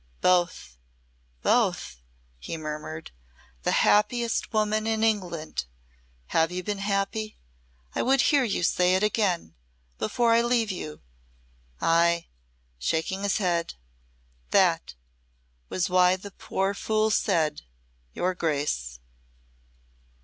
"Both! Both!" he murmured. "The happiest woman in England! Have you been happy? I would hear you say it again before I leave you! Ay," shaking his head, "that was why the poor fool said, 'Your Grace.'"